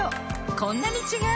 こんなに違う！